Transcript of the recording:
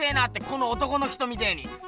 この男の人みてえに。